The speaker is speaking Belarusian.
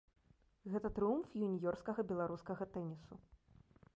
Гэта трыумф юніёрскага беларускага тэнісу.